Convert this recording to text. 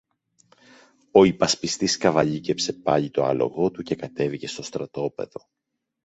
Ο υπασπιστής καβαλίκεψε πάλι το άλογο του και κατέβηκε στο στρατόπεδο.